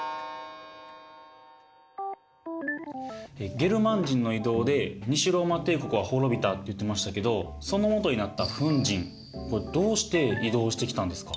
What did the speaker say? ゲルマン人の移動で西ローマ帝国は滅びたって言ってましたけどそのもとになったフン人どうして移動してきたんですか？